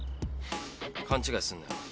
勘違いすんなよ。